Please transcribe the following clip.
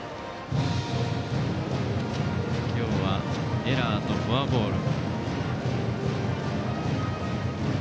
今日はエラーとフォアボール。